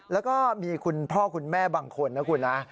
แล้วก็มีคุณพ่อคุณแม่บางคนนะคุณนะ